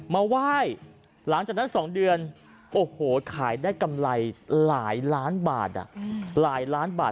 มาไหว้หลังจากนั้น๒เดือนขายได้กำไรหลายล้านบาท